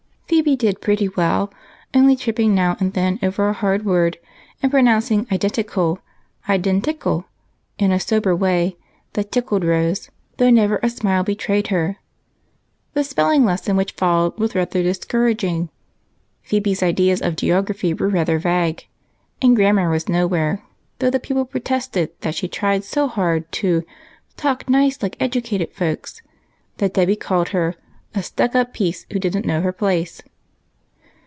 Phebe did pretty well, only tripj3ing now and then over a hard word, and pronouncing identical " iden tickle," in a sober way that tickled Rose, though never a smile betrayed her. The spelling lesson which fol lowed was rather discouraging ; Phebe's ideas of geog raphy were very vague, and grammar was nowhere, though the pupil protested that she tried so hard to " talk nice like educated folks " that Dolly called her " a stuck up piece who did n't know her place."